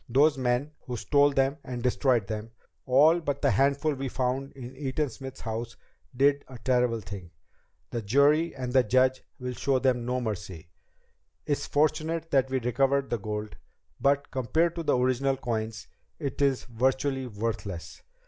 Those men who stole them and destroyed them, all but the handful we found in Eaton Smith's house, did a terrible thing. The jury and the judge will show them no mercy. It's fortunate that we recovered the gold, but compared to the original coins, it is virtually worthless.